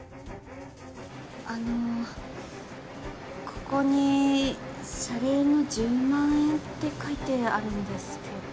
あのここに「謝礼の１０万円」って書いてあるんですけど。